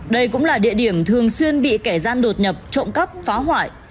đây cũng là địa điểm thường xuyên bị kẻ gian đột nhập trộm cắp phá hoại